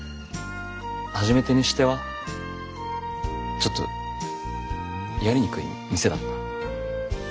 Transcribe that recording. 初めてにしてはちょっとやりにくい店だった。